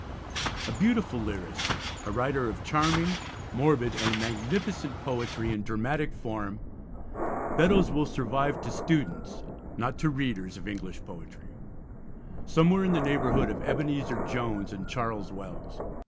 A beautiful lyrist, a writer of charming, morbid, and magnificent poetry in dramatic form, Beddoes will survive to students, not to readers, of English poetry, somewhere in the neighbourhood of Ebenezer Jones and Charles Wells.